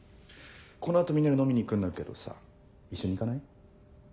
この後みんなで飲みに行くんだけどさ一緒に行かない？